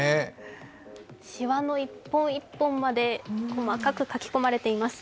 しわの１本１本まで細かく描き込まれています。